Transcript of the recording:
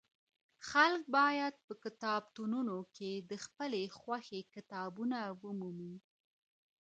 خلګ بايد په کتابتونونو کي د خپلي خوښې کتابونه ومومي.